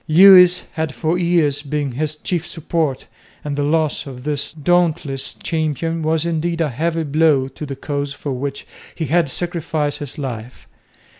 Lewis had for years been his chief support, and the loss of this dauntless champion was indeed a heavy blow to the cause for which he had sacrificed his life.